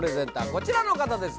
こちらの方です